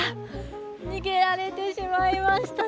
逃げられてしまいましたね。